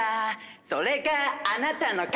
「それがあなたの肩幅！」